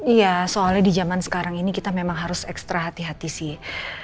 iya soalnya di zaman sekarang ini kita memang harus ekstra hati hati sih